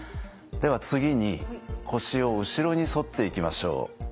では次に腰を後ろに反っていきましょう。